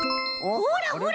ほらほら！